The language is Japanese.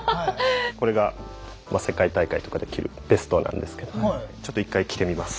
これが世界大会とかで着るベストなんですけどちょっと１回着てみます。